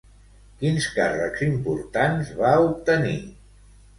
Quins càrrecs importants va obtenir?